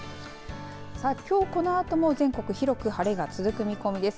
きょうこのあとも全国広く晴れが続く見込みです。